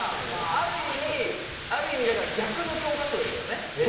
ある意味ある意味だから逆の教科書ですよね。